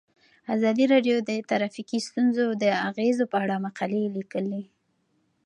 ازادي راډیو د ټرافیکي ستونزې د اغیزو په اړه مقالو لیکلي.